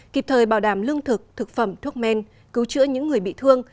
kịp thời bảo đảm lương thực thực phẩm thuốc men cứu chữa những người bị thương